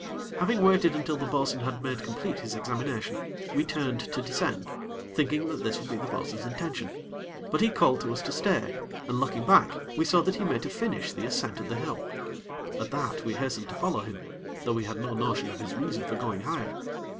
Having waited until the bo'sun had made complete his examination, we turned to descend, thinking that this would be the bo'sun's intention; but he called to us to stay, and, looking back, we saw that he made to finish the ascent of the hill. At that, we hastened to follow him; though we had no notion of his reason for going higher.